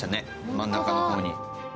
真ん中の方に。